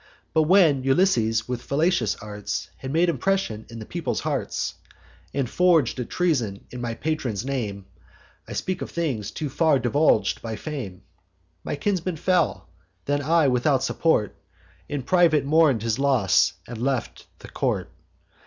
But when Ulysses, with fallacious arts, Had made impression in the people's hearts, And forg'd a treason in my patron's name (I speak of things too far divulg'd by fame), My kinsman fell. Then I, without support, In private mourn'd his loss, and left the court.